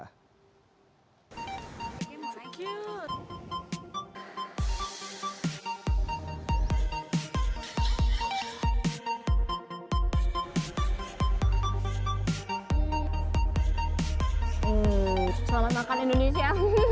hmm selamat makan indonesia